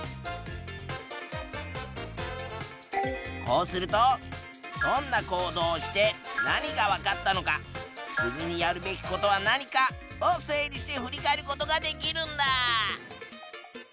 こうするとどんな行動をして何がわかったのか次にやるべきことは何かを整理して振り返ることができるんだ！